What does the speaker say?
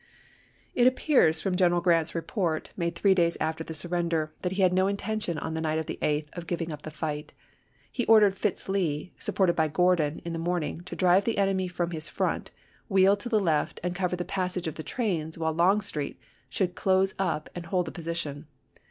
It appears from General Lee's report, made three days after the surrender, that he had no intention on the night of the 8th of giving up the fight. He ordered Fitz Lee, supported by Gordon, in the morning " to drive the enemy from his front, wheel to the left and cover the passage of the trains, while Longstreet ... should close up and hold the posi tion."